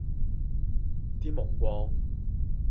天矇光